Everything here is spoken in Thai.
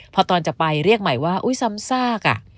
พอตอนจะไปเรียกใหม่ว่าอุ๊ยซ้ำซาก